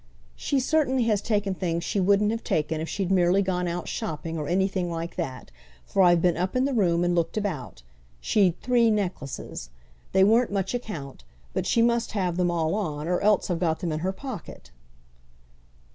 "She certainly has taken things she wouldn't have taken if she'd merely gone out shopping or anything like that, for I've been up in the room and looked about it. She'd three necklaces. They weren't much account; but she must have them all on, or else have got them in her pocket."